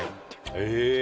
へえ！